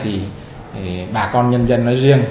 thì bà con nhân dân nói riêng